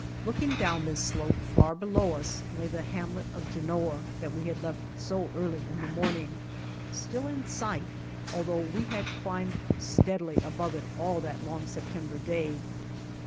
Look ing down this slope far below us lay the hamlet of Genoa that we had left so early in the morning, still in sight although we had climbed steadily above it all that long September day.